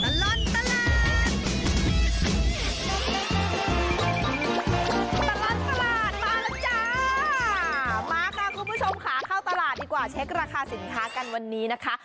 ตลอดตลาดมาแล้วจ้ามาค่ะคุณผู้ชมค่ะเข้าตลาดดีกว่าเช็คราคาสินค้ากันวันนี้นะคะ